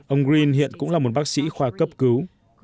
ông green hiện cũng là một bác sĩ khoa cấp cứu